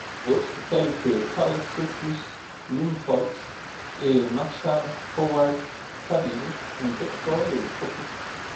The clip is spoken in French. D'autres, tels que Carl Sofus Lumholtz et Marshall Howard Saville, ont exploré les tropiques.